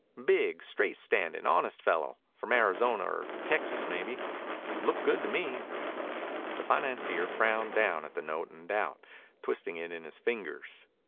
"Big, straight standin', honest fellow. From Arizona or Texas, mebbe. Looked good to me." The financier frowned down at the note in doubt, twisting it in his fingers.